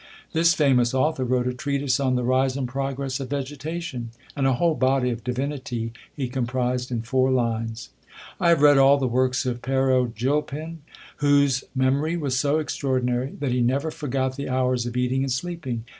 This famous author wrote a treatise on the Rise and Progress of Vegetation ; and a whole Body of Divinity he comprised in four lines. I have read all the works of Pero Gilpin, whose memory was so extraordinary, that he never forgot tiie hours of eating and sleeping.